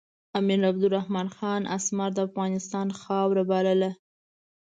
امیر عبدالرحمن خان اسمار د افغانستان خاوره بلله.